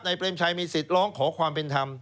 เปรมชัยมีสิทธิ์ร้องขอความเป็นธรรม